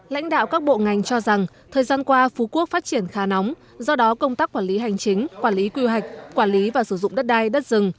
lãnh đạo các bộ ngành cho rằng thời gian qua phú quốc phát triển khá nóng do đó công tác quản lý hành chính quản lý quy hoạch quản lý và sử dụng đất đai đất rừng